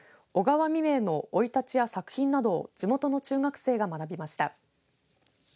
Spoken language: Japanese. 小川未明の生い立ちや作品などを地元の中学生が学びました。